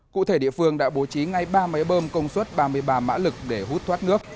cụ thể địa phương đã bố trí ngay ba máy bơm công suất ba mươi ba mã lực để hút thoát nước